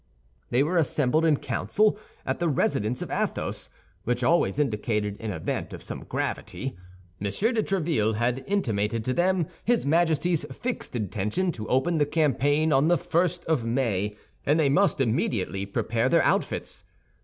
They were assembled in council at the residence of Athos, which always indicated an event of some gravity. M. de Tréville had intimated to them his Majesty's fixed intention to open the campaign on the first of May, and they must immediately prepare their outfits.